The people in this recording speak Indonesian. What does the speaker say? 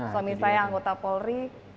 suami saya anggota polri